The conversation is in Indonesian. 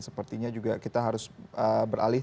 sepertinya juga kita harus beralih